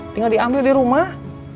tinggal diambil di rumah